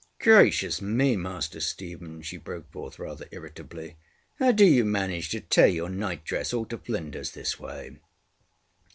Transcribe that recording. ŌĆ£Gracious me, Master Stephen! ŌĆØ she broke forth rather irritably, ŌĆ£how do you manage to tear your nightdress all to flinders this way?